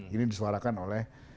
ini disuarakan oleh